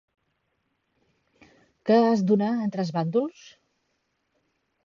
Què es donà entre els bàndols?